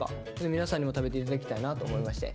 皆さんにも食べて頂きたいなと思いまして。